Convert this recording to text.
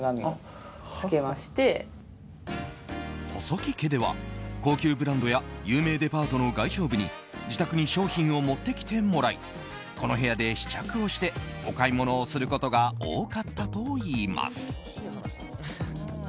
細木家では高級ブランドや有名デパートの外商部に自宅に商品を持ってきてもらいこの部屋で試着をしてお買い物をすることが多かったといいます。